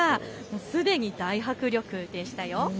すでに大迫力でしたよ。